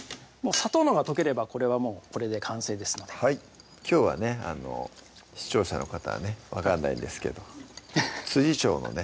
砂糖のほうが溶ければこれはもうこれで完成ですのできょうはね視聴者の方はね分からないんですけど調のね